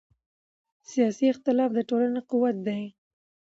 سیاسي اختلاف د ټولنې قوت دی